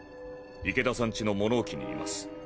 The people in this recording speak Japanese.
池田さん家の物置にいます。